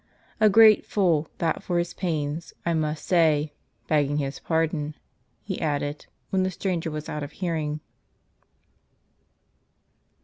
A great fool that for his pains, I must say, begging his pardon," he added, when the stranger was out of hearing.